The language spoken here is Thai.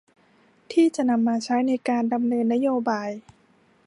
ที่จะนำมาใช้ในการดำเนินนโยบาย